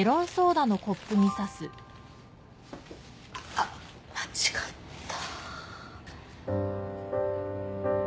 あっ間違った。